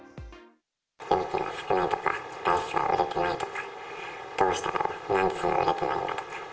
料金が少ないとか、台数が売れてないとか、どうしたら、なんでそんなに売れてないんだとか。